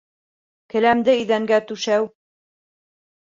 Келәмде иҙәнгә түшәү